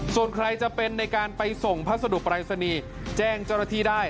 ส่วนใครจะเป็นในการไปส่งพัสดุปรายศรีแจ้งจรฐิได้